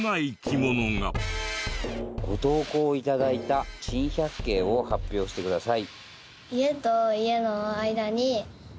ご投稿頂いた珍百景を発表してください。